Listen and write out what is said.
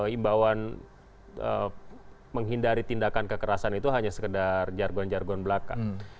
imbauan menghindari tindakan kekerasan itu hanya sekedar jargon jargon belaka